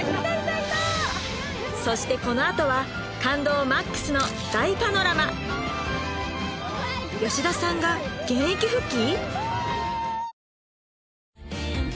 そしてこのあとは感動ＭＡＸの大パノラマ吉田さんが現役復帰！？